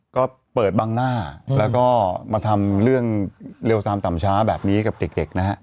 ก็เปิดบังหน้าแล้วก็มาทำเรื่องเร็วตามต่ำช้าแบบนี้กับเด็กนะฮะ